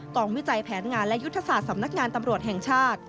วิจัยแผนงานและยุทธศาสตร์สำนักงานตำรวจแห่งชาติ